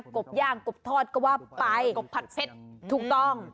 กรบย่างกรบทอดก็ว่าปลายกรบผัดเพชรถูกต้อง